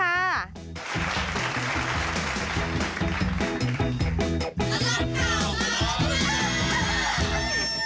น่ารักน่ารัก